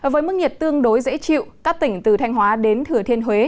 với mức nhiệt tương đối dễ chịu các tỉnh từ thanh hóa đến thừa thiên huế